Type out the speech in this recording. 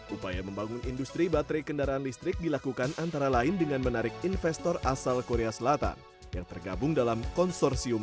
upaya membangun industri baterai kendaraan listrik dilakukan antara lain dengan menarik investor asal korea selatan yang tergabung dalam konsorsium